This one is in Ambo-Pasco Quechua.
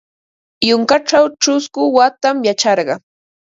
Yunkaćhaw ćhusku watam yacharqa.